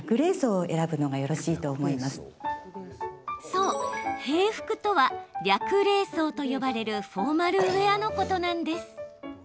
そう、平服とは略礼装と呼ばれるフォーマルウェアのことなんです。